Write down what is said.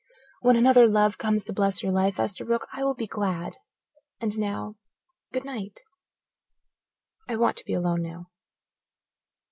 When another love comes to bless your life, Esterbrook, I will be glad. And now, good night. I want to be alone now."